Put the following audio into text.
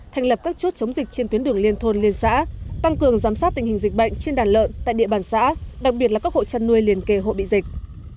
thành lập các chốt chống dịch trên tuyến đường liên thôn liên xã tăng cường giám sát tình hình dịch bệnh trên đàn lợn tại địa bàn xã đặc biệt là các hộ chăn nuôi liên kề hộ bị dịch